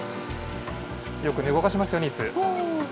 よく動かしますよね、いす。